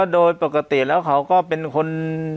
โดยปกติแล้วเขาก็เป็นคน